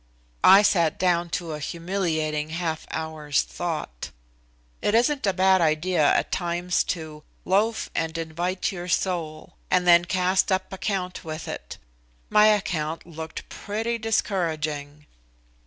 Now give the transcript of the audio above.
I sat down to a humiliating half hour's thought. It isn't a bad idea at times to "loaf and invite your soul," and then cast up account with it. My account looked pretty discouraging.